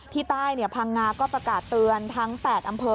ที่ใต้พังงาก็ประกาศเตือนทั้ง๘อำเภอ